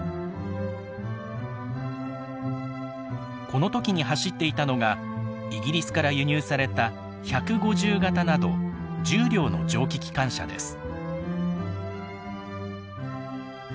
この時に走っていたのがイギリスから輸入された１５０形など１０両の蒸気機関車です。